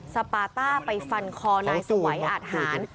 สปาต้าไปฟันคอนายสวัยอาทหาร